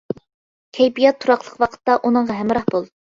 كەيپىيات تۇراقلىق ۋاقىتتا ئۇنىڭغا ھەمراھ بول.